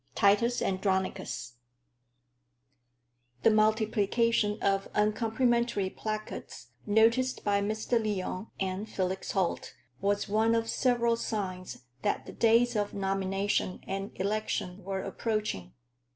Titus Andronicus The multiplication of uncomplimentary placards noticed by Mr. Lyon and Felix Holt was one of several signs that the days of nomination and election were approaching.